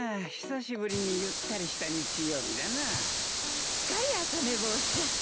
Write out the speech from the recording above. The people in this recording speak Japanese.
すっかり朝寝坊しちゃった。